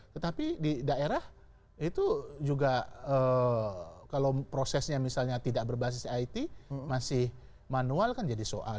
tetapi di daerah itu juga kalau prosesnya misalnya tidak berbasis it masih manual kan jadi soal